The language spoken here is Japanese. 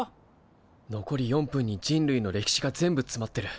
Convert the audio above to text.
残り４分に人類の歴史が全部つまってる。